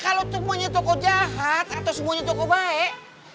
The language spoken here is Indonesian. kalo punya tokoh jahat atau semuanya tokoh baik